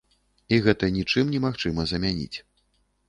І гэта нічым немагчыма замяніць.